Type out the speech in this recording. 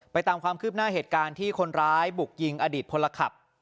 ตามความคืบหน้าเหตุการณ์ที่คนร้ายบุกยิงอดีตพลขับ